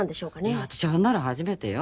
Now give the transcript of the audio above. いや私あんなの初めてよ。